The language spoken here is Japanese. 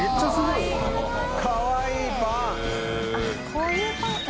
こういうパンか。